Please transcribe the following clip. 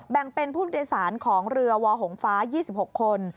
แบ่งเป็นผู้โดยสารของเรือวอหงฟ้า๒๖คน